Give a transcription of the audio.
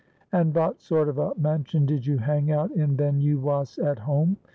"And vot sort of a mansion did you hang out in ven you wos at home?"